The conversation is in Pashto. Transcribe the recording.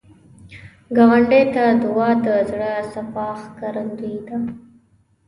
ګاونډي ته دعا، د زړه صفا ښکارندویي ده